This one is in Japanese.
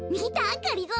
がりぞー。